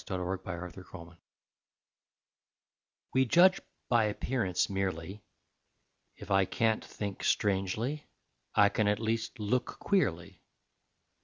COMPLAINT OF A POET MANQUÉ We judge by appearance merely: If I can't think strangely, I can at least look queerly.